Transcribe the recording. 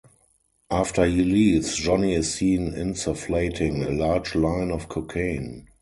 After he leaves, Johnny is seen insufflating a large line of cocaine.